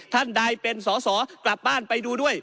ท่านใดเป็นสอสอกลับบ้านไปดูด้วย